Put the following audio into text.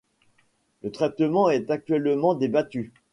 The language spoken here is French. Le traitement est actuellement débattu.